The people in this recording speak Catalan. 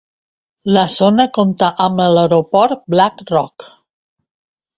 La zona compta amb l'aeroport Black Rock.